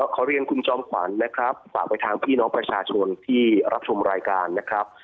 ขอเรียนคุณจอมขวัญนะครับฝากไปทางพี่น้องประชาชนที่รับชมรายการนะครับ